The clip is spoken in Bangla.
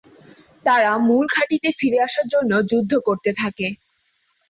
তারা মূল ঘাঁটিতে ফিরে আসার জন্য যুদ্ধ করতে থাকে।